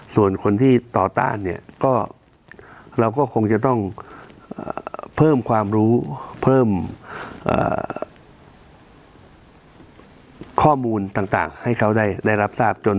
ส่วนคนที่ต่อต้านเนี่ยก็เราก็คงจะต้องเพิ่มความรู้เพิ่มข้อมูลต่างให้เขาได้รับทราบจน